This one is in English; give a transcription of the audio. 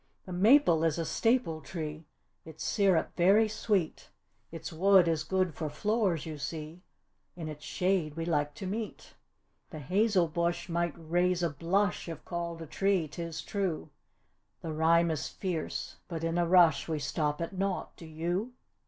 The maple is a staple tree, its syrup very sweet Its wood is good for floors you see; in its shade we like to meet. The hazel bush might raise a blush if called a tree, 'tis true; (The rhyme is fierce but in a rush we stop at nought do you?)